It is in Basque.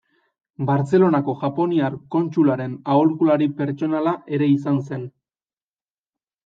Bartzelonako japoniar kontsularen aholkulari pertsonala ere izan zen.